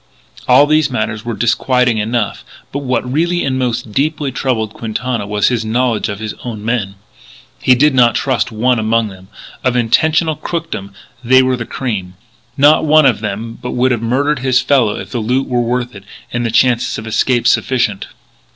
All these matters were disquieting enough: but what really and most deeply troubled Quintana was his knowledge of his own men. He did not trust one among them. Of international crookdom they were the cream. Not one of them but would have murdered his fellow if the loot were worth it and the chances of escape sufficient.